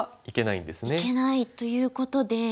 いけないということで。